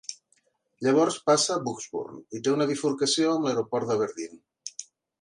Llavors passa Bucksburn i té una bifurcació amb l'aeroport d'Aberdeen.